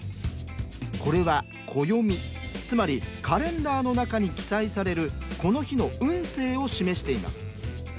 これは暦つまりカレンダーの中に記載されるこの日の運勢を示しています。